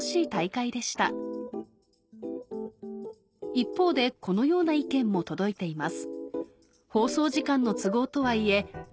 一方でこのような意見も届いています